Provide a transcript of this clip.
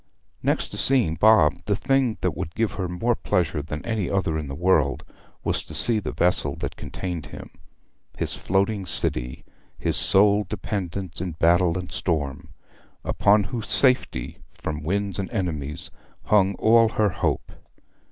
Next to seeing Bob, the thing that would give her more pleasure than any other in the world was to see the vessel that contained him his floating city, his sole dependence in battle and storm upon whose safety from winds and enemies hung all her hope.